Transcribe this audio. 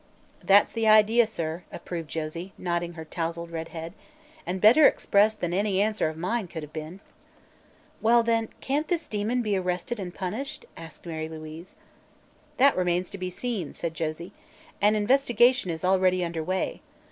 "That's the idea, sir," approved Josie, nodding her tousled red head, "and better expressed than any answer of mine could have been." "Well, then, can't this demon be arrested and punished?" asked Mary Louise. "That remains to be seen," said Josie. "An investigation is already under way.